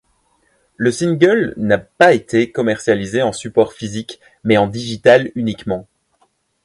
Le single n'a pas été commercialisé en support physique mais en digital uniquement.